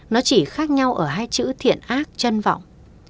nó chỉ khác nhau ở hai chữ thiện ác chân vọng